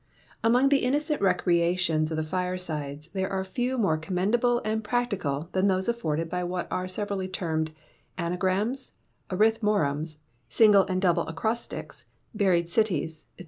Among the innocent recreations of the fireside, there are few more commendable and practicable than those afforded by what are severally termed Anagrams, Arithmorems, Single and Double Acrostics, Buried Cities, &c.